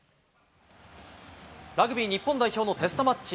ラグビー日本代表のテストマッチ。